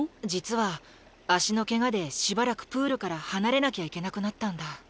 実は足のけがでしばらくプールから離れなきゃいけなくなったんだ。